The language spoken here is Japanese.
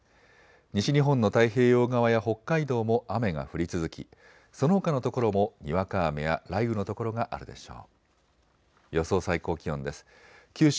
西日本の太平洋側や北海道も雨が降り続きそのほかの所もにわか雨や雷雨の所があるでしょう。